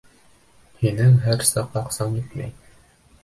Һинең һәр саҡ аҡсаң етмәй.